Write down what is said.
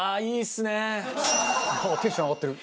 テンション上がってる。